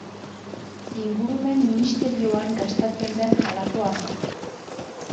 Ingurumen ministerioan gastatzen den halako hamar.